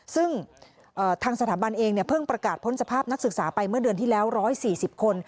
ซึ่งทางสถาบันเองเพิ่งประกาศพ้นสภาพนักศึกษาไปเมื่อเดือนที่แล้ว๑๔๐คน